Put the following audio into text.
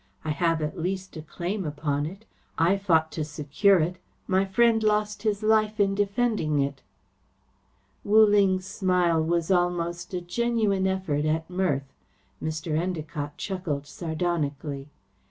I have, at least, a claim upon it. I fought to secure it. My friend lost his life in defending it." Wu Ling's smile was almost a genuine effort at mirth. Mr. Endacott chuckled sardonically.